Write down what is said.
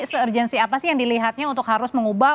se urgensi apa sih yang dilihatnya untuk harus mengubah